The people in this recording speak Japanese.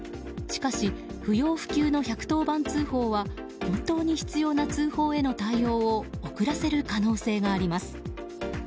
しかし、不要不急の１１０番通報は本当に必要な通報への対応を遅らせる可能性があります。